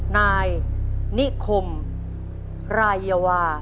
นายนิคมรายวา